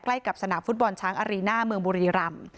ใกล้กับสนามฟุตบอลช้างอารีน่าเมืองบุรีรำ